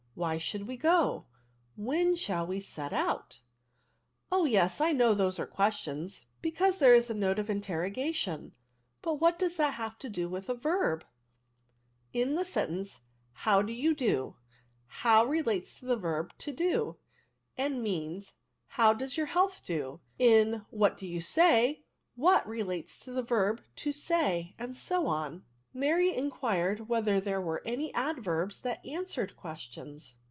Whjf should we go ? When shall we set out ?"Oh yes, I know those are questions, be cause there is a note of interrogation ; but what has that to do with a verb ?"" In the sentence * How do you do ?* hov> relates to the verb to do, and means, ' how does your health do?* In * What do you say?' what relates to the verb to say, and so on." Mary inquired whether there were any adverbs that answered questions.